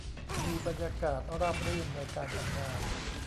มีบรรยากาศราบรื่นในการทำงาน